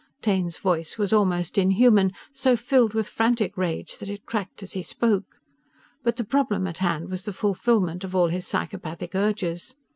Taine's voice was almost unhuman; so filled with frantic rage that it cracked as he spoke. But the problem at hand was the fulfillment of all his psychopathic urges.